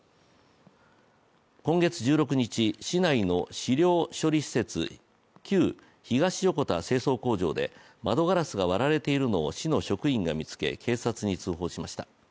今月１６日、市内のし尿処理施設、旧東横田清掃工場で窓ガラスが割られているのを市の職員が見つけ、警察に通報しました。